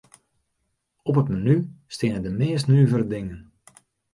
Op it menu steane de meast nuvere dingen.